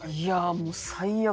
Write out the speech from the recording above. もう最悪よ。